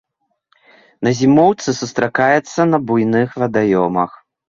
На зімоўцы сустракаецца на буйных вадаёмах.